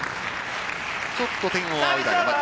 ちょっと天を仰いだ山口。